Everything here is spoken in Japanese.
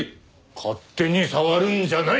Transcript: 勝手に触るんじゃない！